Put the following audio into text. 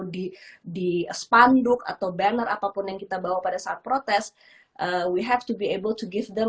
di spanduk atau banner apapun yang kita bawa pada saat protes we have to be able to give them